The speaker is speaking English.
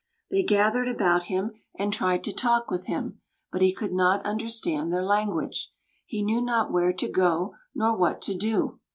They gathered about him, and tried to talk with him; but he could not understand their language. He knew not where to go nor what to do.